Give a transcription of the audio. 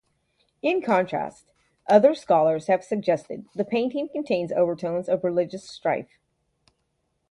In contrast, other scholars have suggested the painting contains overtones of religious strife.